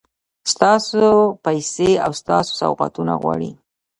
ستاسو پیسې او ستاسو سوغاتونه غواړي.